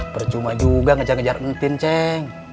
percuma juga ngejar ngejar entin ceng